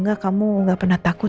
awas bisa rupanya tuh